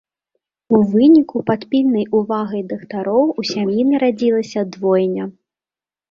У выніку пад пільнай увагай дактароў у сям'і нарадзілася двойня!